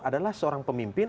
adalah seorang pemimpin